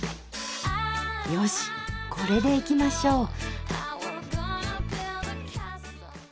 よしこれでいきましょう。